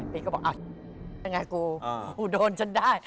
พี่ก็บอกอ่ะยังไงกูโดนฉันได้